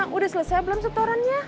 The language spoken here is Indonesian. sudah selesai belum setorannya